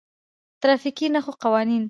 د ترافیکي نښو قوانین: